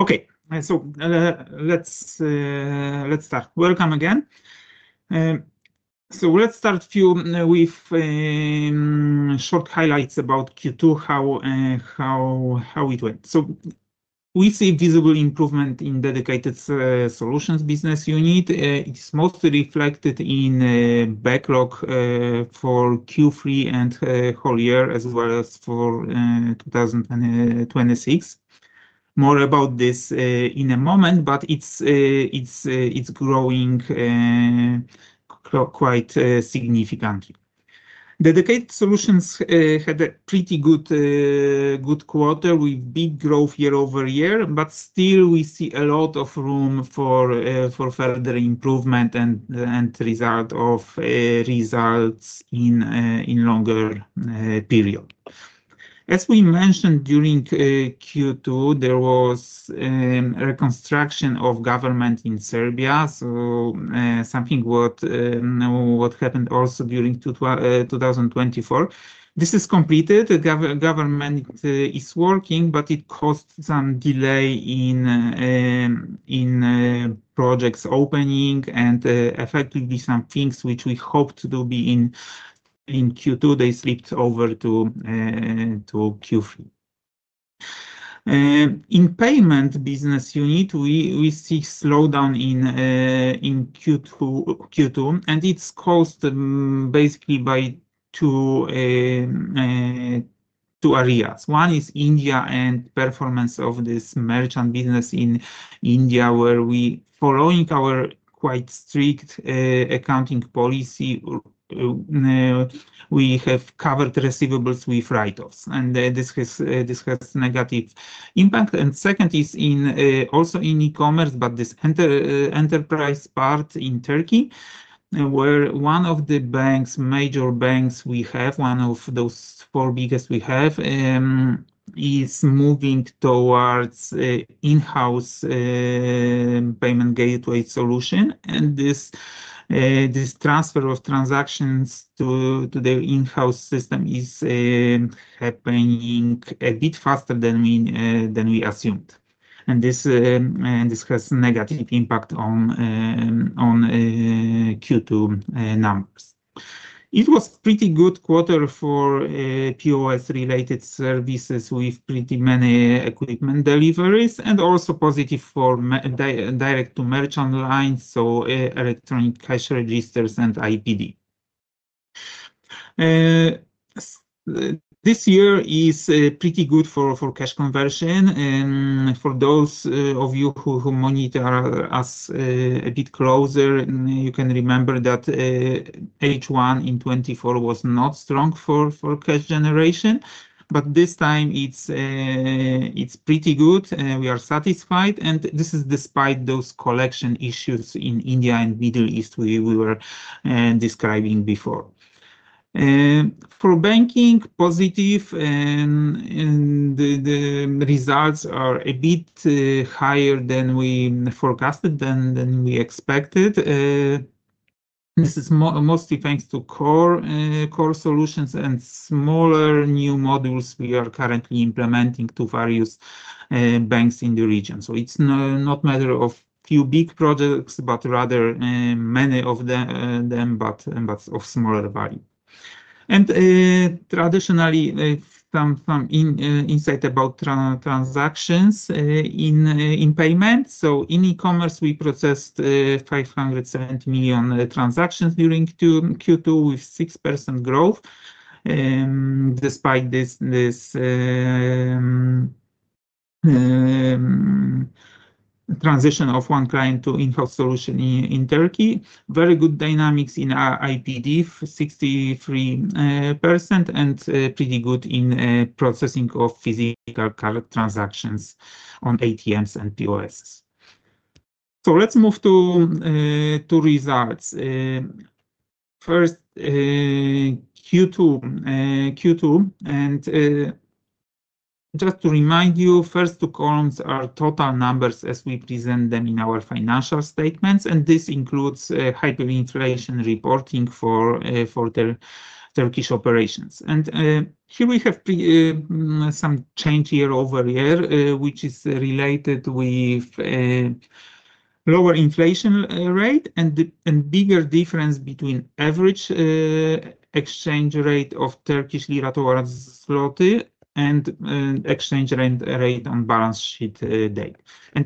Okay. Let's start. Welcome again. Let's start a few with short highlights about Q2, how it went. We see visible improvement in Dedicated Solutions business unit. It's mostly reflected in backlog for Q3 and whole year, as well as for 2026. More about this in a moment, but it's growing quite significantly. Dedicated solutions had a pretty good quarter with big growth year-over-year, but still we see a lot of room for further improvement and results in a longer period. As we mentioned, during Q2, there was a reconstruction of government in Serbia. Something that happened also during 2024. This is completed. Government is working, but it caused some delay in projects opening and effectively some things which we hoped to be in Q2, they slipped over to Q3. In Payment Business Unit, we see slowdown in Q2, and it's caused basically by two areas. One is India and performance of this merchant business in India, where we, following our quite strict accounting policy, have covered receivables with write-offs. This has negative impact. Second is also in e-commerce, but this enterprise part in Turkey, where one of the major banks we have, one of those four biggest we have, is moving towards in-house Payment Gateway solution. This transfer of transactions to their in-house system is happening a bit faster than we assumed. This has a negative impact on Q2 numbers. It was a pretty good quarter for POS-related services with pretty many equipment deliveries and also positive for direct-to-merchant lines, so electronic cash registers and IPD. This year is pretty good for cash conversion. For those of you who monitor us a bit closer, you can remember that H1 in 2024 was not strong for cash generation. This time, it's pretty good. We are satisfied. This is despite those collection issues in India and Middle East we were describing before. For banking, positive, and the results are a bit higher than we forecasted, than we expected. This is mostly thanks to core solutions and smaller new modules we are currently implementing to various banks in the region. It's not a matter of a few big projects, but rather many of them, but of smaller value. Traditionally, some insight about transactions in payment. In e-commerce, we processed 570 million transactions during Q2 with 6% growth despite this transition of one client to in-house solution in Turkey. Very good dynamics in IPD, 63%, and pretty good in processing of physical transactions on ATMs and POS. Let's move to results. First, Q2. Just to remind you, first two columns are total numbers as we present them in our financial statements. This includes hyperinflation reporting for their Turkish operations. Here we have some change year-over-year, which is related with lower inflation rate and bigger difference between average exchange rate of Turkish lira towards zloty and exchange rate on balance sheet date.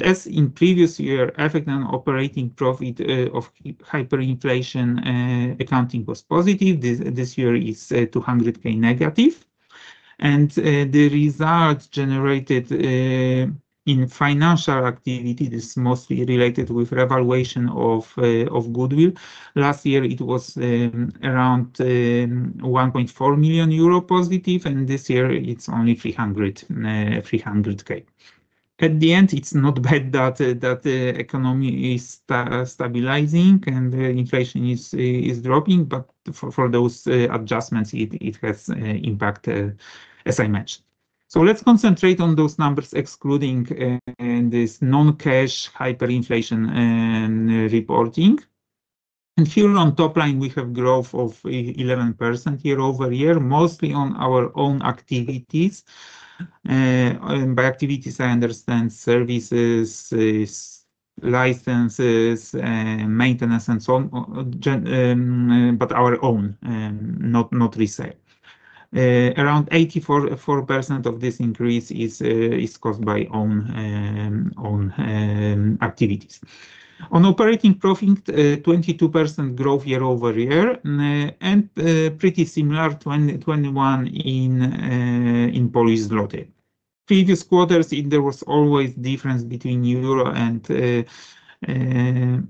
As in previous year, effect on operating profit of hyperinflation accounting was positive. This year is -200,000 negative. The result generated in financial activity is mostly related with revaluation of goodwill. Last year, it was around 1.4 million euro positive, and this year, it's only 300,000. At the end, it's not bad that the economy is stabilizing and the inflation is dropping, but for those adjustments, it has impact, as I mentioned. Let's concentrate on those numbers, excluding this non-cash hyperinflation reporting. Here on top line, we have growth of 11% year-over-year, mostly on our own activities. By activities, I understand services, licenses, maintenance, and so on, but our own, not resale. Around 84% of this increase is caused by own activities. On operating profit, 22% growth year-over-year, and pretty similar to 2021 in Polish zloty. Previous quarters, there was always a difference between euro and Polish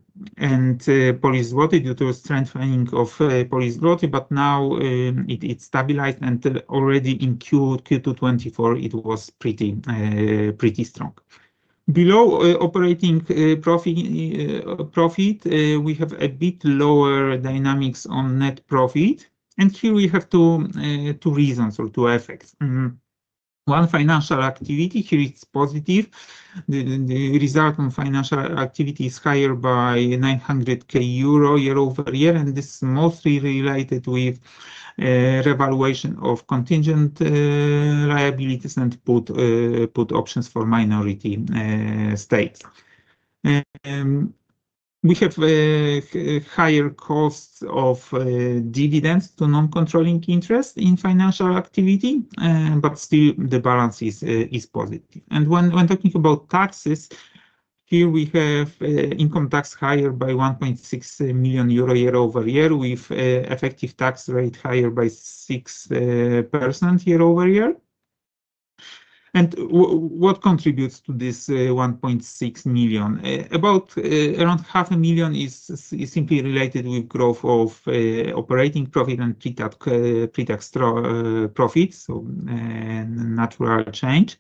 zloty due to strengthening of Polish zloty, but now it stabilized and already in Q2 2024, it was pretty strong. Below operating profit, we have a bit lower dynamics on net profit. Here we have two reasons or two effects. One, financial activity. Here it's positive. The result on financial activity is higher by 900,000 euro year-over-year, and this is mostly related with revaluation of contingent liabilities and put options for minority states. We have higher costs of dividends to non-controlling interest in financial activity, but still the balance is positive. When talking about taxes, here we have income tax higher by 1.6 million euro year-over-year with effective tax rate higher by 6% year-over-year. What contributes to this 1.6 million? About around half a million is simply related with growth of operating profit and pre-tax profits, so natural change.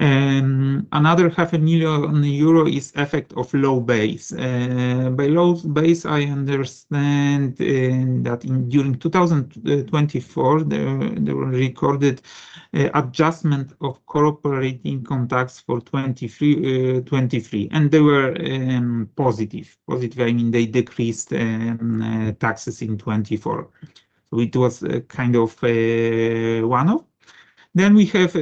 Another 500,000 euro is effect of low base. By low base, I understand that during 2024, there were recorded adjustments of corporate income tax for 2023. They were positive. Positive, I mean, they decreased taxes in 2024, which was kind of one-off. We have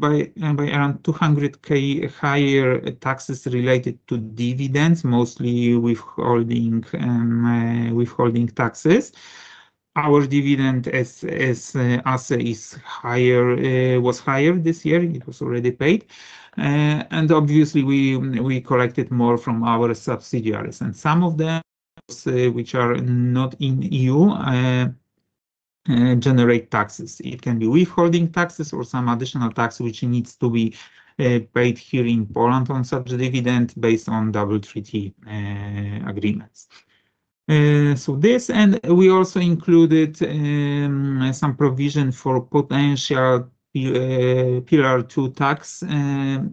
by around 200,000 higher taxes related to dividends, mostly withholding taxes. Our dividend asset was higher this year. It was already paid. Obviously, we collected more from our subsidiaries. Some of the apps, which are not in the EU, generate taxes. It can be withholding taxes or some additional tax which needs to be paid here in Poland on such a dividend based on WHT agreements. We also included some provision for potential PR2 tax.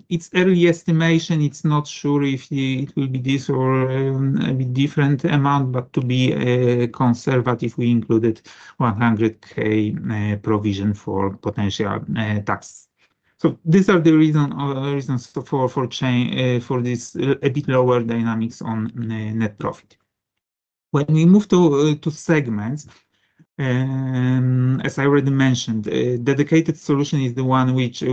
It's early estimation. It's not sure if it will be this or a bit different amount, but to be conservative, we included 100,000 provision for potential tax. These are the reasons for this a bit lower dynamics on net profit. When we move to segments, as I already mentioned, Dedicated Solutions is the one which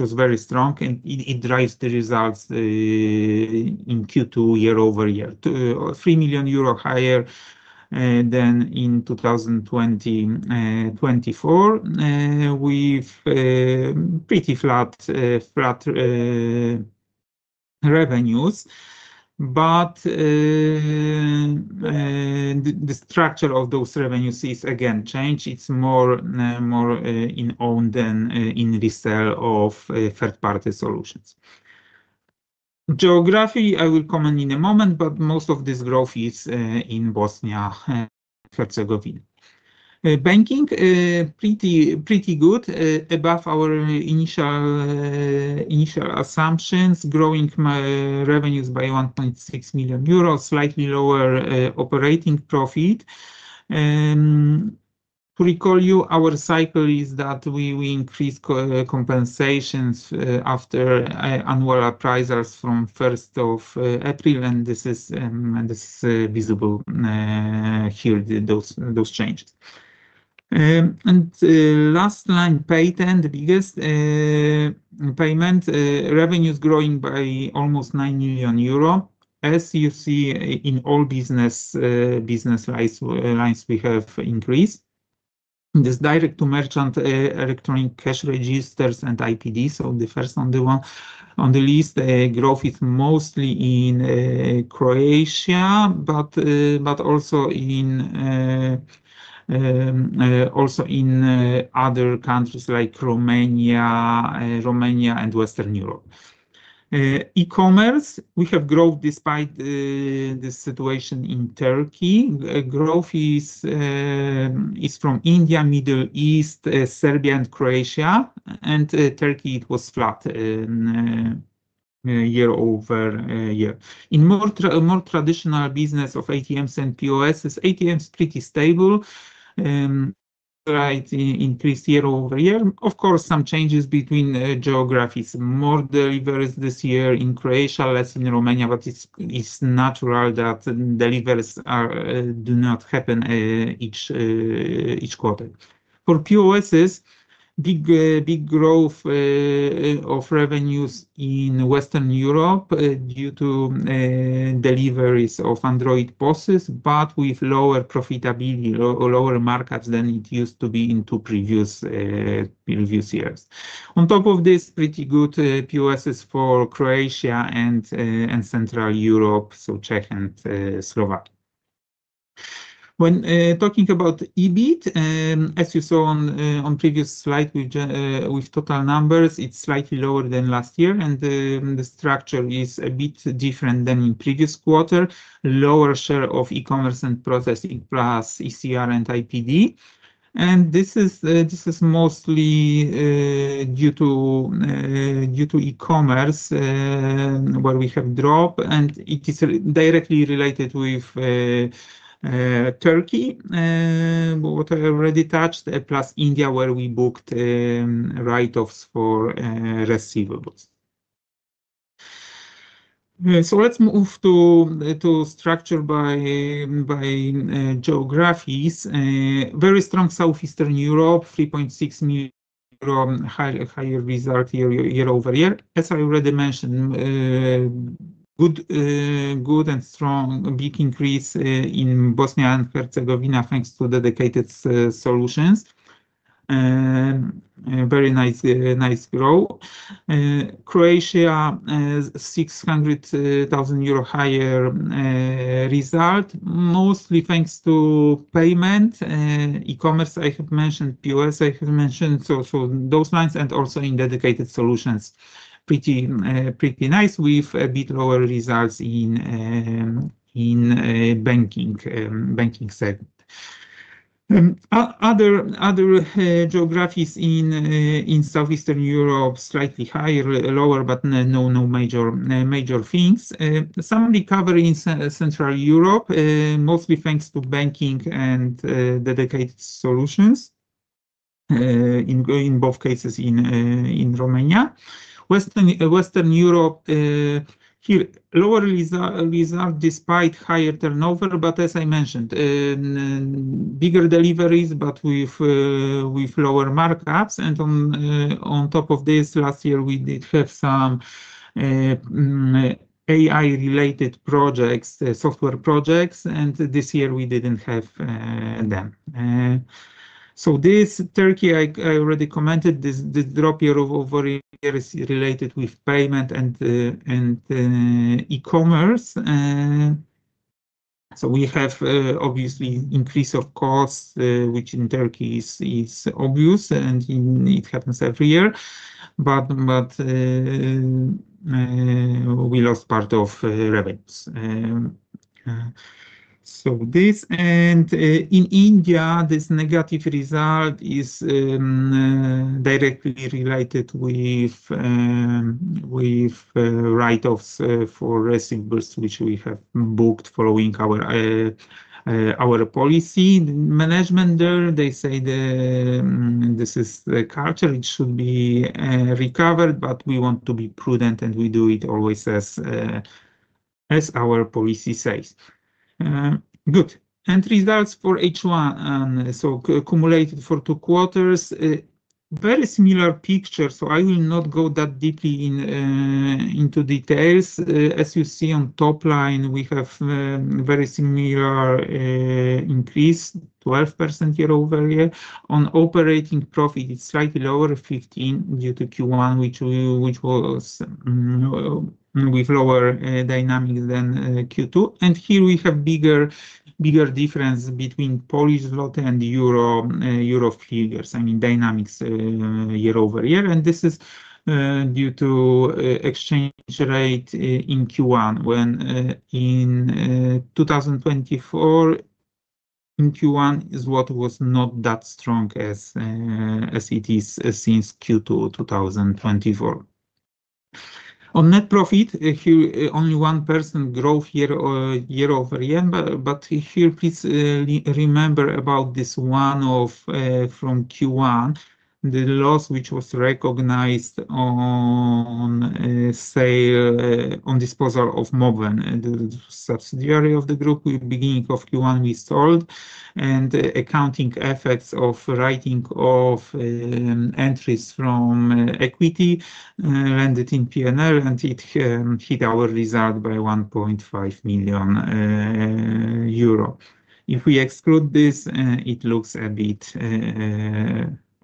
was very strong and it drives the results in Q2 year-over-year. EUR 3 million higher than in 2024. We've pretty flat revenues, but the structure of those revenues is again changed. It's more in own than in resale of third-party solutions. Geography, I will comment in a moment, but most of this growth is in Bosnia and Herzegovina. Banking, pretty good. Above our initial assumptions, growing revenues by 1.6 million euros, slightly lower operating profit. To recall you, our cycle is that we will increase compensations after annual appraisals from 1st of April, and this is visible here, those changes. Last line, Payten, biggest payment, revenues growing by almost 9 million euro. As you see in all business lines, we have increased. This is direct-to-merchant, electronic cash registers, and IPD. The first on the list, the growth is mostly in Croatia, but also in other countries like Romania and Western Europe. E-commerce, we have growth despite the situation in Turkey. Growth is from India, Middle East, Serbia, and Croatia. Turkey, it was flat year-over-year. In more traditional business of ATMs and POS outsourcing, ATMs are pretty stable, increased year-over-year. Of course, some changes between geographies. More deliveries this year in Croatia, less in Romania, but it's natural that deliveries do not happen each quarter. For POS, big growth of revenues in Western Europe due to deliveries of Android POS, but with lower profitability, lower markups than it used to be in two previous years. On top of this, pretty good POS for Croatia and Central Europe, so Czech and Slovak. When talking about EBIT, as you saw on the previous slide with total numbers, it's slightly lower than last year, and the structure is a bit different than in the previous quarter. Lower share of e-commerce and processing plus electronic cash registers and IPD. This is mostly due to e-commerce where we have dropped, and it is directly related with Turkey, what I already touched, plus India where we booked write-offs for receivables. Let's move to structure by geographies. Very strong Southeastern Europe, 3.6 million higher result year-over-year. As I already mentioned, good and strong big increase in Bosnia and Herzegovina thanks to dedicated solutions. Very nice growth. Croatia, EUR 600,000 higher result, mostly thanks to payment, e-commerce I have mentioned, POS I have mentioned, so those lines, and also in Dedicated Solutions. Pretty nice with a bit lower results in banking segment. Other geographies in Southeastern Europe, slightly higher, lower, but no major things. Some recovery in Central Europe, mostly thanks to banking and Dedicated Solutions, in both cases in Romania. Western Europe, here lower result despite higher turnover, but as I mentioned, bigger deliveries, but with lower markups. On top of this, last year, we did have some AI-related projects, software projects, and this year we didn't have them. Turkey, I already commented, this drop year-over-year is related with payment and E-commerce. We have obviously increase of costs, which in Turkey is obvious, and it happens every year, but we lost part of revenues. In India, this negative result is directly related with write-offs for receivables, which we have booked following our policy management there. They say this is the culture. It should be recovered, but we want to be prudent, and we do it always as our policy says. Results for H1, so accumulated for two quarters, very similar picture. I will not go that deeply into details. As you see on top line, we have a very similar increase, 12% year-over-year. On operating profit, it's slightly lower, 15%, due to Q1, which was with lower dynamics than Q2. Here we have a bigger difference between Polish zloty and euro figures. I mean, dynamics year-over-year. This is due to exchange rate in Q1, when in 2024, in Q1, zloty was not that strong as it is since Q2 2024. On net profit, here only 1% growth year-over-year, but here, please remember about this one-off from Q1, the loss which was recognized on sale on disposal of Moben, the subsidiary of the group. At the beginning of Q1, we sold, and accounting effects of writing off entries from equity landed in P&L, and it hit our result by 1.5 million euro. If we exclude this, it looks a bit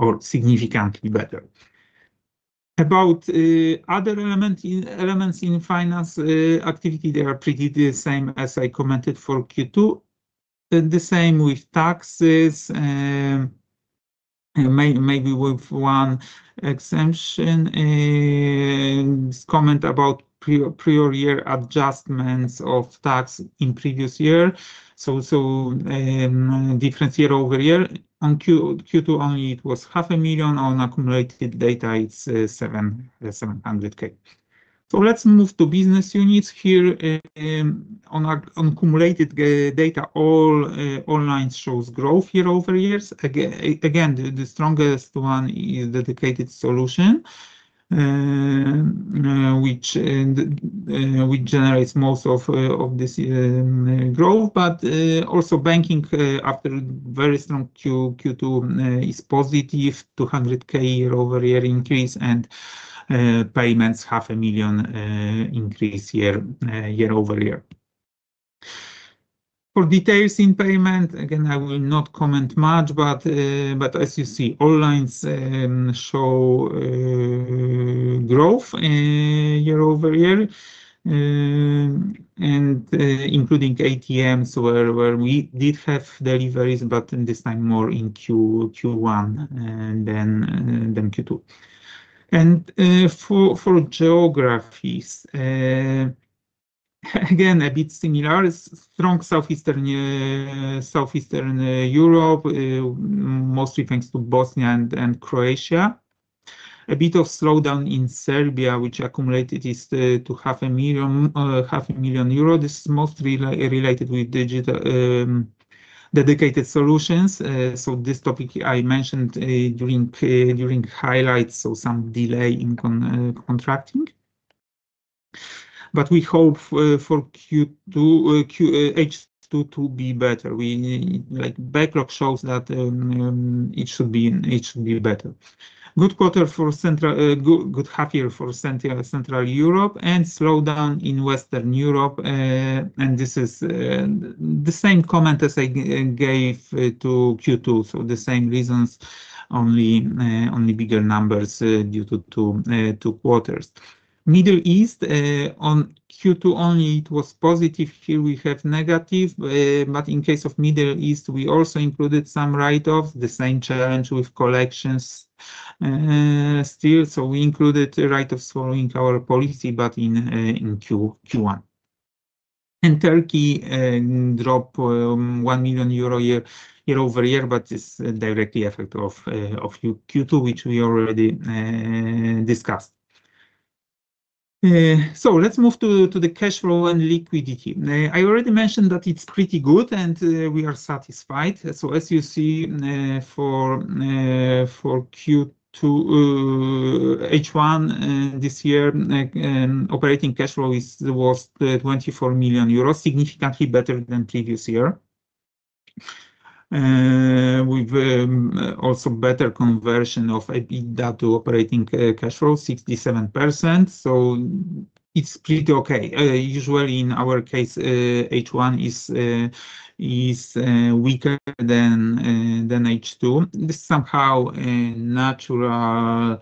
or significantly better. About other elements in finance activity, they are pretty the same as I commented for Q2. The same with taxes, maybe with one exception. Comment about prior year adjustments of tax in previous year. Difference year-over-year. On Q2 only, it was 0.5 million. On accumulated data, it's 700,000. Let's move to business units. Here, on accumulated data, all lines show growth year-over-year. Again, the strongest one is Dedicated Solutions, which generates most of this growth, but also banking after a very strong Q2 is positive, 200,000 year-over-year increase, and payments 0.5 million increase year-over-year. For details in payment, again, I will not comment much, but as you see, all lines show growth year-over-year, including ATMs where we did have deliveries, but this time more in Q1 than Q2. For geographies, again, a bit similar. Strong Southeastern Europe, mostly thanks to Bosnia and Croatia. A bit of slowdown in Serbia, which accumulated to 0.5 million. This is mostly related with digital Dedicated Solutions. This topic I mentioned during highlights, some delay in contracting. We hope for H2 to be better. Backlog shows that it should be better. Good quarter for Central, good half year for Central Europe, and slowdown in Western Europe. This is the same comment as I gave to Q2. The same reasons, only bigger numbers due to two quarters. Middle East, on Q2 only, it was positive. Here we have negative, but in case of Middle East, we also included some write-offs. The same challenge with collections still. We included write-offs following our policy, but in Q1. Turkey dropped 1 million euro year-over-year, but it's directly effect of Q2, which we already discussed. Let's move to the cash flow and liquidity. I already mentioned that it's pretty good, and we are satisfied. As you see, for Q2 H1 this year, operating cash flow is the worst, 24 million euros, significantly better than previous year. We've also better conversion of EBITDA to operating cash flow, 67%. It's pretty okay. Usually, in our case, H1 is weaker than H2. This is somehow natural,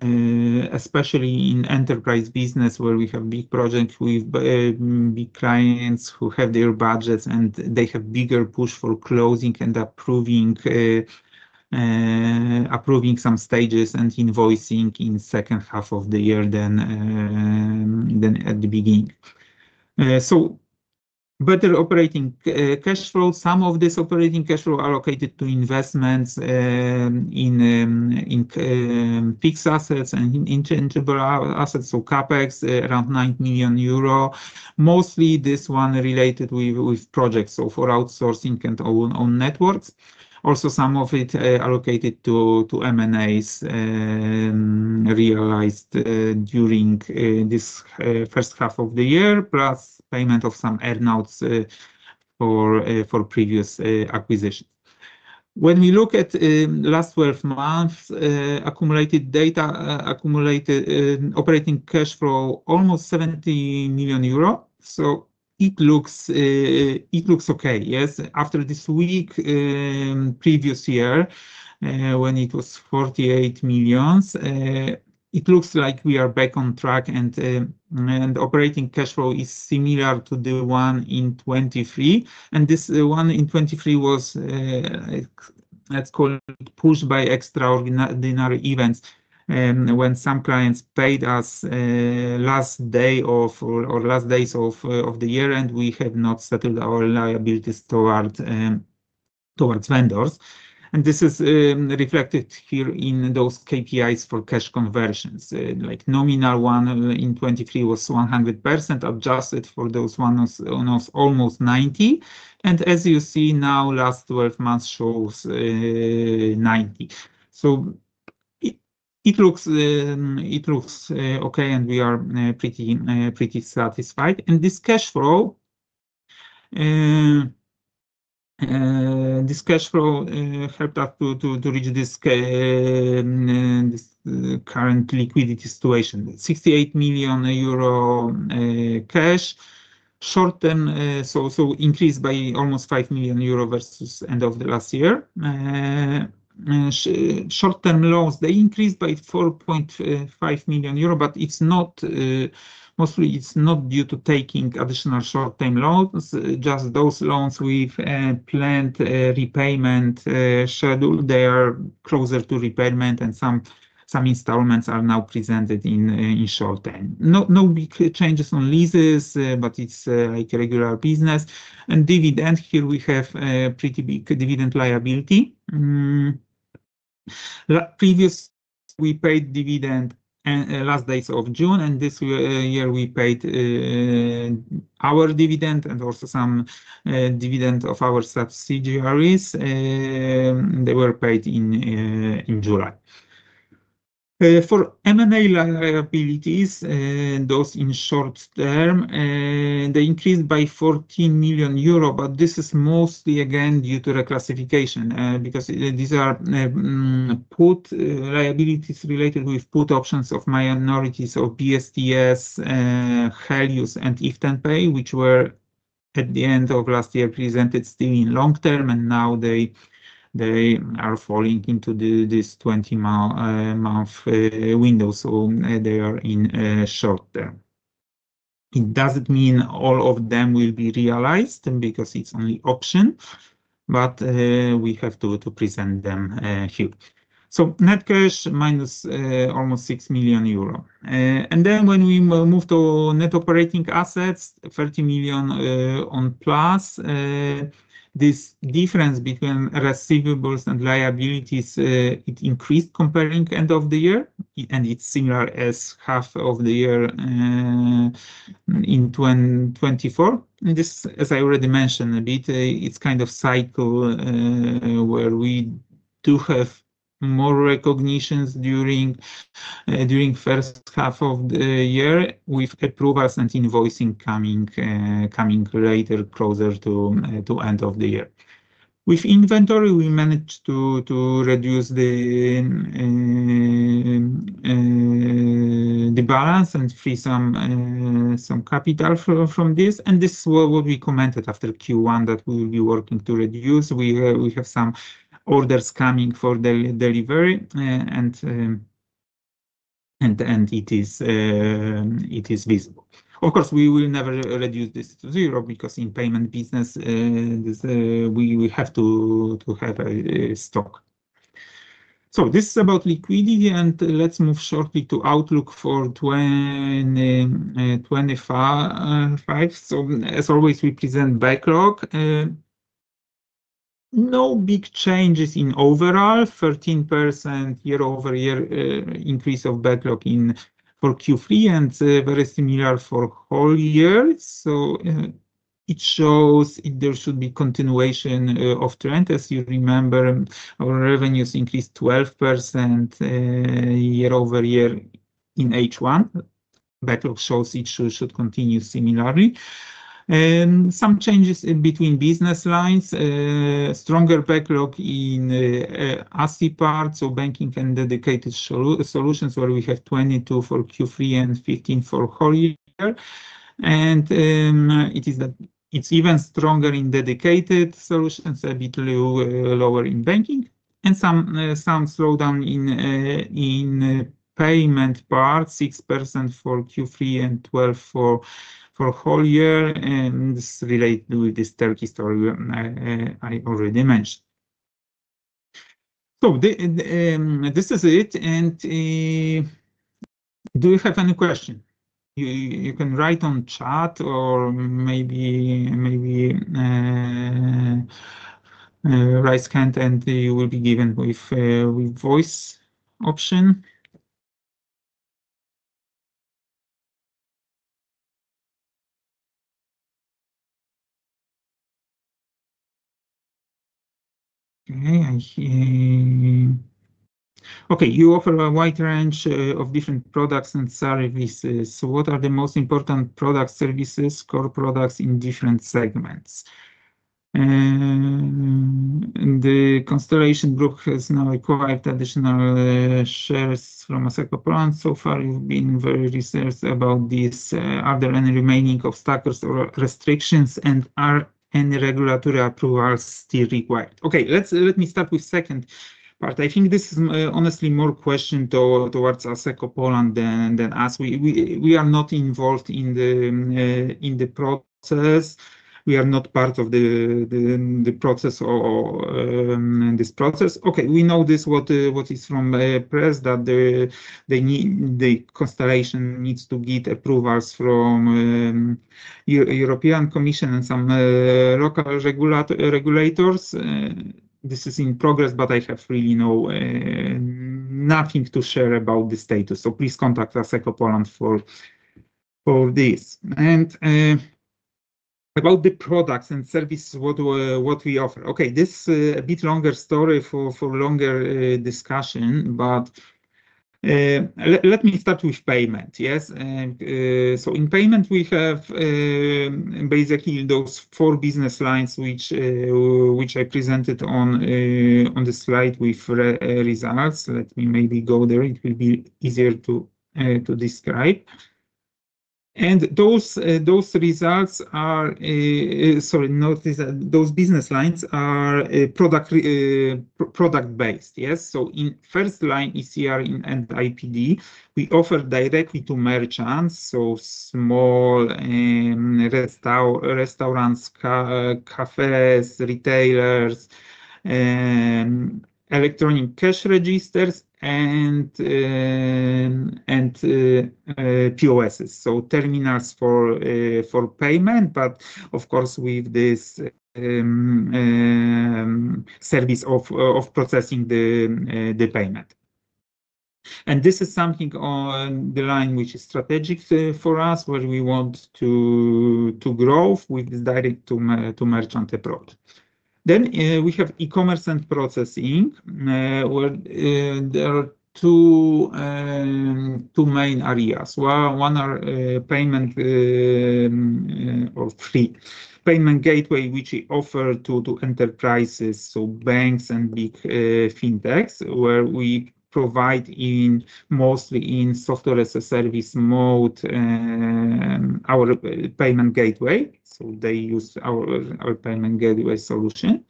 especially in enterprise business where we have big projects with big clients who have their budgets, and they have a bigger push for closing and approving some stages and invoicing in the second half of the year than at the beginning. Better operating cash flow. Some of this operating cash flow allocated to investments in fixed assets and intangible assets, so CapEx, around 9 million euro. Mostly this one related with projects, so for outsourcing and own networks. Also, some of it allocated to M&As realized during this first half of the year, plus payment of some earnouts for previous acquisitions. When we look at the last 12 months, accumulated data, operating cash flow, almost 70 million euro. It looks okay. Yes. After this week, previous year, when it was 48 million, it looks like we are back on track, and operating cash flow is similar to the one in 2023. This one in 2023 was, let's call it, pushed by extraordinary events when some clients paid us last day of or last days of the year, and we have not settled our liabilities towards vendors. This is reflected here in those KPIs for cash conversions. Like nominal one in 2023 was 100%, adjusted for those one was almost 90%. As you see, now last 12 months shows 90%. It looks okay, and we are pretty satisfied. This cash flow helped us to reach this current liquidity situation. 68 million euro cash. Short term, so increased by almost 5 million euro versus end of the last year. Short-term loans, they increased by 4.5 million euro, but it's not mostly due to taking additional short-term loans. Just those loans we've planned repayment scheduled, they are closer to repayment, and some installments are now presented in short term. No big changes on leases, but it's like a regular business. Dividend, here we have a pretty big dividend liability. Previous, we paid dividend last days of June, and this year, we paid our dividend and also some dividend of our subsidiaries. They were paid in July. For M&A liabilities, those in short term, they increased by 14 million euro, but this is mostly, again, due to reclassification because these are put liabilities related with put options of minorities of BSTS, Helios, and IFT&Pay, which were at the end of last year presented still in long term, and now they are falling into this 20-month window, so they are in short term. It doesn't mean all of them will be realized because it's only option, but we have to present them here. So net cash minus almost 6 million euro. When we move to net operating assets, EU 30 million on plus, this difference between receivables and liabilities, it increased comparing end of the year, and it's similar as half of the year in 2024. This, as I already mentioned a bit, it's kind of cycle where we do have more recognitions during the first half of the year with approvals and invoicing coming later closer to the end of the year. With inventory, we managed to reduce the balance and free some capital from this. This is what we commented after Q1 that we'll be working to reduce. We have some orders coming for the delivery, and it is visible. Of course, we will never reduce this to zero because in payment business, we have to have a stock. This is about liquidity, and let's move shortly to Outlook for 2025. As always, we present backlog. No big changes in overall. 13% year-over-year increase of backlog for Q3 and very similar for whole year. It shows there should be continuation of trend. As you remember, our revenues increased 12% year-over-year in H1. Backlog shows it should continue similarly. Some changes between business lines. Stronger backlog in AC parts, so banking and Dedicated Solutions where we have 22% for Q3 and 15% for whole year. It's even stronger in Dedicated Solutions, a bit lower in banking. Some slowdown in payment parts, 6% for Q3 and 12% for whole year. This is related with this Turkish story I already mentioned. This is it. Do you have any questions? You can write on chat or maybe raise hand, and you will be given with voice option. Okay. You offer a wide range of different products and services. What are the most important products, services, core products in different segments? The Constellation Group has now acquired additional shares from Asseco Poland. So far, we've been very reserved about this. Are there any remaining obstacles or restrictions, and are any regulatory approvals still required? Okay. Let me start with the second part. I think this is honestly more a question towards Asseco Poland than us. We are not involved in the process. We are not part of this process. We know this from the press, that the Constellation Group needs to get approvals from the European Commission and some local regulators. This is in progress, but I have really nothing to share about the status. Please contact Asseco Poland for this. About the products and services, what we offer, this is a bit longer story for a longer discussion, but let me start with payment. Yes. In payment, we have basically those four business lines which I presented on the slide with results. Let me maybe go there. It will be easier to describe. Those results are, sorry, those business lines are product-based. Yes. The first line is CRM and IPD. We offer directly to merchants, so small restaurants, cafes, retailers, electronic cash registers, and POSs, so terminals for payment, but of course, with this service of processing the payment. This is something on the line which is strategic for us, where we want to grow with this direct-to-merchant approach. We have e-commerce and processing. There are two main areas. One is payment or free Payment Gateway, which we offer to enterprises, so banks and big fintechs, where we provide mostly in software as a service mode our Payment Gateway. They use our Payment Gateway solution.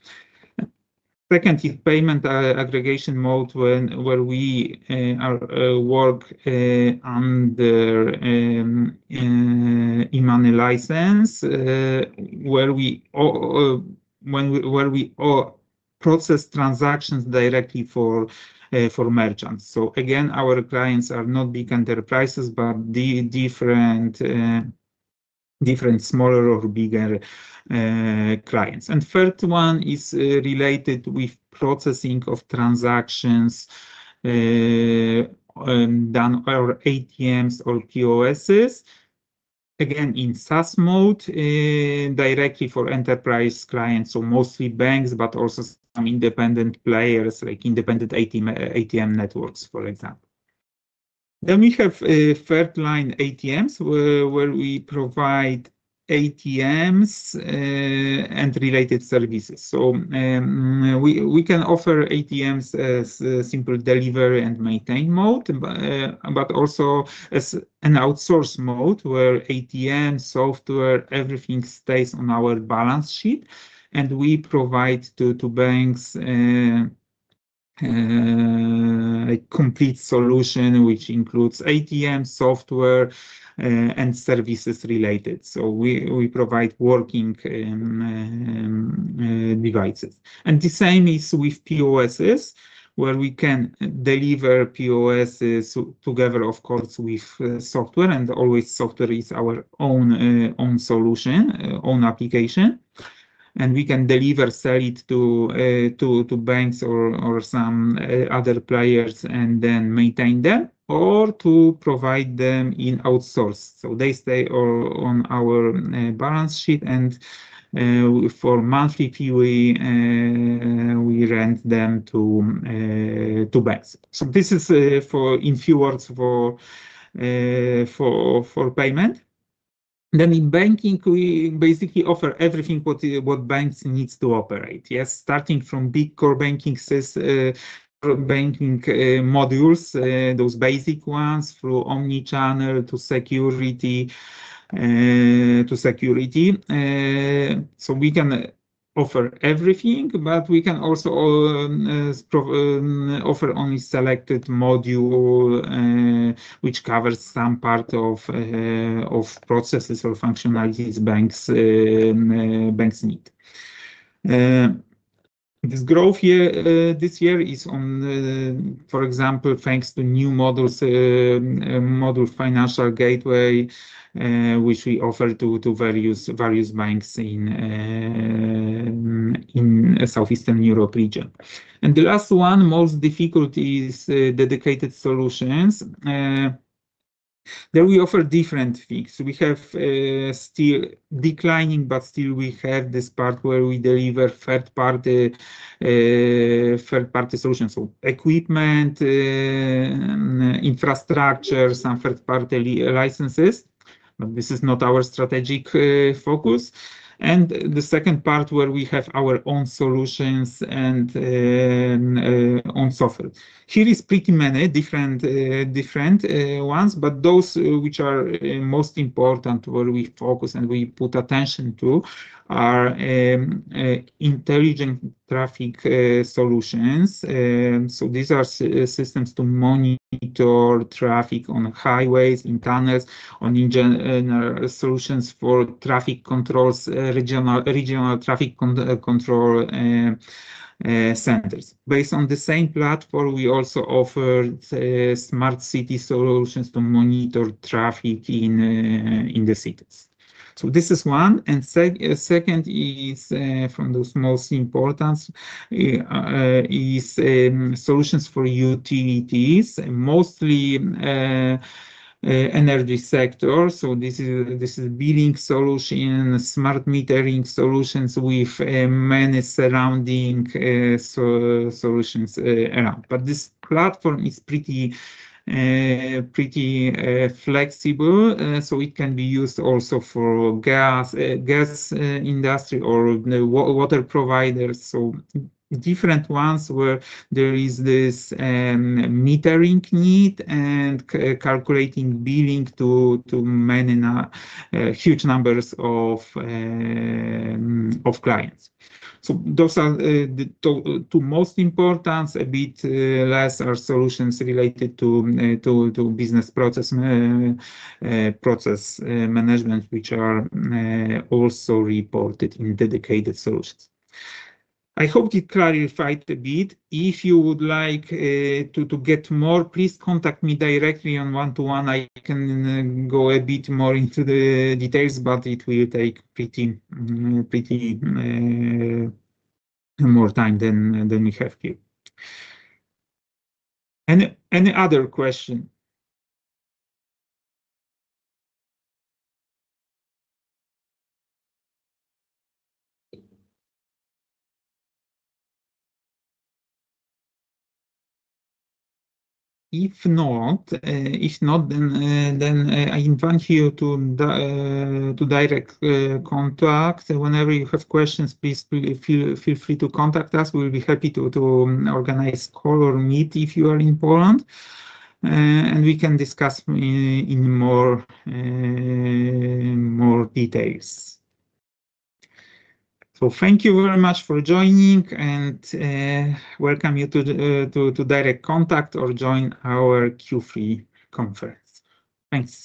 Second is payment aggregation mode where we work under e-money license, where we process transactions directly for merchants. Again, our clients are not big enterprises, but different smaller or bigger clients. The third one is related with processing of transactions done on ATMs or POSs, again in SaaS mode, directly for enterprise clients, so mostly banks, but also some independent players like independent ATM networks, for example. We have third-line ATMs where we provide ATMs and related services. We can offer ATMs as simple delivery and maintain mode, but also as an outsource mode where ATM software, everything stays on our balance sheet. We provide to banks a complete solution which includes ATM software and services related. We provide working devices. The same is with POSs, where we can deliver POSs together, of course, with software, and always software is our own solution, own application. We can deliver, sell it to banks or some other players and then maintain them or provide them in outsource. They stay on our balance sheet, and for a monthly fee, we rent them to banks. This is in a few words for payment. In banking, we basically offer everything what banks need to operate, starting from big Core Banking, Core Banking modules, those basic ones, through Omnichannel to security. We can offer everything, but we can also offer only selected module which covers some part of processes or functionalities banks need. This growth this year is on, for example, thanks to new modules, module financial gateway, which we offer to various banks in the Southeastern Europe region. The last one, most difficult, is Dedicated Solutions. There we offer different things. We have still declining, but still we have this part where we deliver third-party solutions, so equipment, infrastructure, some third-party licenses. This is not our strategic focus. The second part where we have our own solutions and own software, here are pretty many different ones, but those which are most important, where we focus and we put attention to are Intelligent Traffic solutions. These are systems to monitor traffic on highways, in tunnels, in general solutions for traffic controls, regional traffic control centers. Based on the same platform, we also offer Smart City solutions to monitor traffic in the cities. This is one. Second is from those most important is solutions for utilities, mostly energy sector. This is billing solution, Smart Metering solutions with many surrounding solutions around. This platform is pretty flexible, so it can be used also for gas industry or water providers, different ones where there is this metering need and calculating billing to manage huge numbers of clients. Those are the two most important. A bit less are solutions related to business process management, which are also reported in Dedicated Solutions. I hope this clarified a bit. If you would like to get more, please contact me directly one-to-one. I can go a bit more into the details, but it will take pretty more time than we have here. Any other question? If not, then I invite you to direct contact. Whenever you have questions, please feel free to contact us. We'll be happy to organize a call or meet if you are in Poland. We can discuss in more details. Thank you very much for joining, and welcome to direct contact or join our Q3 conference. Thanks.